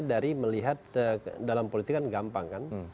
dari melihat dalam politik kan gampang kan